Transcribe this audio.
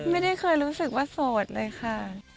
ไม่ได้เคยรู้สึกว่าโสดเลยค่ะ